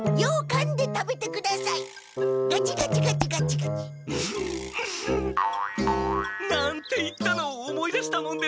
ンッンッ。なんて言ったのを思い出したもんですから。